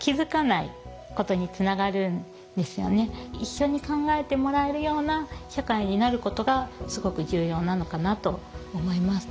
一緒に考えてもらえるような社会になることがすごく重要なのかなと思います。